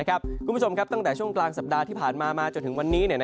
คุณผู้ชมครับตั้งแต่ช่วงกลางสัปดาห์ที่ผ่านมามาจนถึงวันนี้